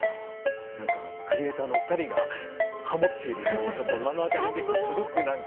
何かクリエイターのお二人がハモっているのをちょっと目の当たりにできてすごく何か。